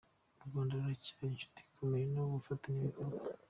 U Rwanda ruracyari inshuti ikomeye n’umufatanyabikorwa.